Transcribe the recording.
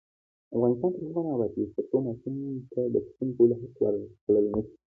افغانستان تر هغو نه ابادیږي، ترڅو ماشوم ته د پوښتنې کولو حق ورکړل نشي.